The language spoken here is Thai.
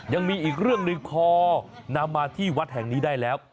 ยังมีอีกเรื่องหนึ่งพอนำมาที่วัดแห่งนี้ได้แล้ว